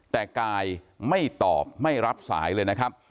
แต่กายไม่ตอบไม่รับสายเลยนะครับ